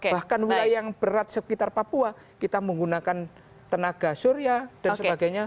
bahkan wilayah yang berat sekitar papua kita menggunakan tenaga surya dan sebagainya